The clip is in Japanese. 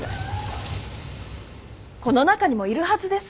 この中にもいるはずです。